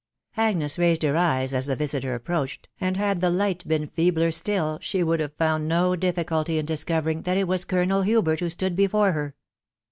Agnes raised her eyes as the visiter approached, and had THE WIDOW BARNABY, 37 1 the light been feebler still she would have found no difficulty in discovering that it was Colonel Hubert who stood before her.